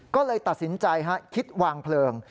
ก็เลยตัดสินใจคิดวางเพลิง